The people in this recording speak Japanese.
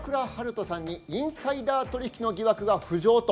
人さんにインサイダー取引の疑惑が浮上と。